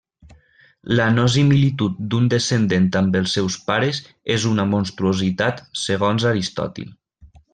La no similitud d'un descendent amb els seus pares és una monstruositat segons Aristòtil.